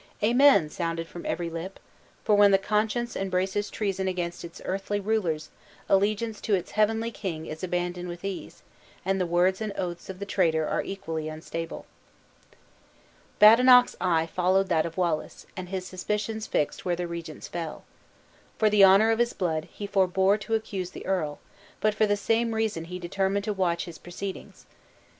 "Amen!" sounded from every lip; for when the conscience embraces treason against its earthly rulers, allegiance to its heavenly King is abandoned with ease; and the words and oaths of the traitor are equally unstable. Badenoch's eye followed that of Wallace, and his suspicions fixed where the regent's fell. For the honor of his blood, he forbore to accuse the earl; but for the same reason he determined to watch his proceedings.